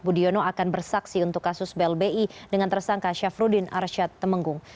budiono akan bersaksi untuk kasus blbi dengan tersangka syafruddin arsyad temenggung